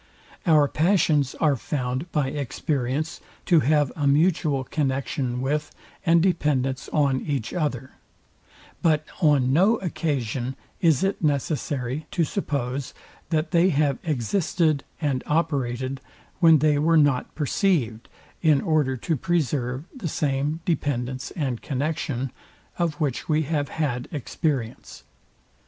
Our passions are found by experience to have a mutual connexion with and dependence on each other; but on no occasion is it necessary to suppose, that they have existed and operated, when they were not perceived, in order to preserve the same dependence and connexion, of which we have had experience.